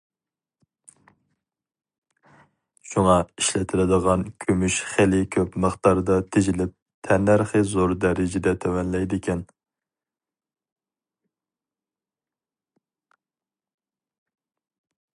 شۇڭا، ئىشلىتىلىدىغان كۈمۈش خېلى كۆپ مىقداردا تېجىلىپ تەننەرخى زور دەرىجىدە تۆۋەنلەيدىكەن.